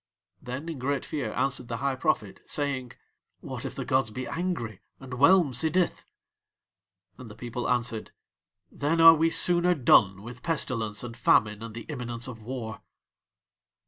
Then in great fear answered the High Prophet, saying: "What if the gods be angry and whelm Sidith?" And the people answered: "Then are we sooner done with pestilence and famine and the imminence of war."